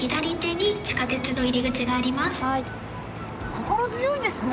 心強いですね。